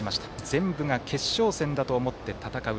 全部が決勝戦だと思って戦う。